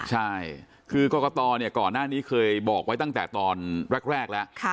ใช่คือกรกตก่อนหน้านี้เคยบอกไว้ตั้งแต่ตอนแรกแล้ว